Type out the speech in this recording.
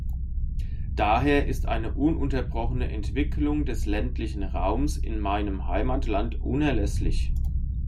Daher ist eine ununterbrochene Entwicklung des ländlichen Raums in meinem Heimatland unerlässlich.